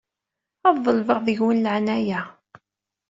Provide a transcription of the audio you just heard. Ad ḍelbeɣ deg-wen leɛnaya.